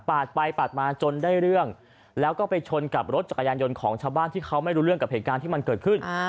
ไปปาดมาจนได้เรื่องแล้วก็ไปชนกับรถจักรยานยนต์ของชาวบ้านที่เขาไม่รู้เรื่องกับเหตุการณ์ที่มันเกิดขึ้น